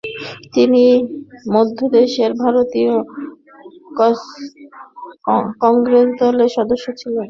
তিনি মধ্য প্রদেশের ভারতীয় জাতীয় কংগ্রেস দলের সদস্য ছিলেন।